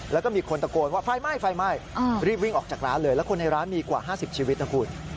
แล้วก็มีคนตะโกนว่าไฟไหม้ไฟไหม้รีบวิ่งออกจากร้านเลยแล้วคนในร้านมีกว่า๕๐ชีวิตนะคุณ